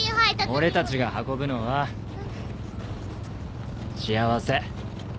俺たちが運ぶのは幸せ。